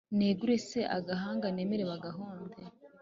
negure se agahanga nemere bagahonde